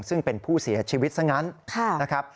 ซึ่งเป็นผู้เสียชีวิตซะงั้นนะครับ